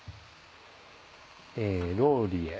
ローリエ。